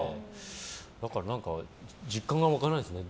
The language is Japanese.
だから実感が湧かないですね。